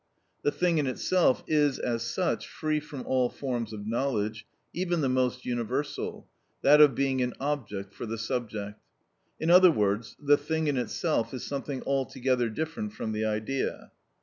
The thing in itself is, as such, free from all forms of knowledge, even the most universal, that of being an object for the subject. In other words, the thing in itself is something altogether different from the idea.